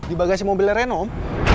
di bagasi mobilnya reno om